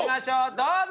どうぞ！